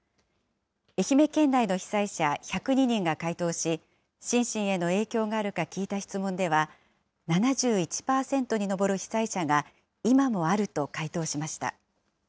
愛媛県内の被災者１０２人が回答し、心身への影響があるか聞いた質問では、７１％に上る被災者が、今もあると回答しました。